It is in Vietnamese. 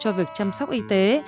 một mươi cho việc chăm sóc y tế